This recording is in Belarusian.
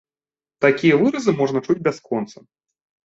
Такія выразы можна чуць бясконца.